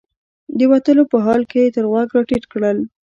د وتلو په حال کې یې تر غوږ راټیټ کړل.